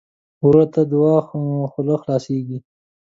ورور ته د دعا خوله خلاصيږي.